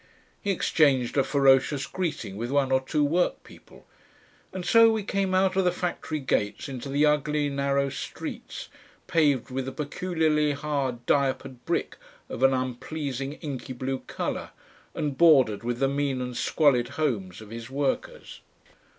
He exchanged a ferocious greeting with one or two workpeople, and so we came out of the factory gates into the ugly narrow streets, paved with a peculiarly hard diapered brick of an unpleasing inky blue colour, and bordered with the mean and squalid homes of his workers.